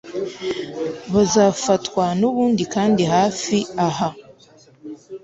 bazafatwa nubundi kandi hafi aha